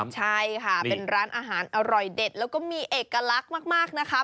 ใช่ค่ะเป็นร้านอาหารอร่อยเด็ดแล้วก็มีเอกลักษณ์มากนะคะ